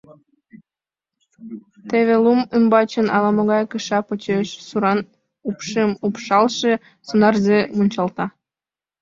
Теве лум ӱмбачын ала-могай кыша почеш суран упшым упшалше сонарзе мунчалта.